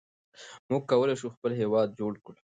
موږ کولای شو خپل هېواد جوړ کړو.